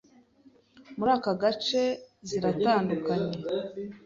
muri aka gace ziratandukanye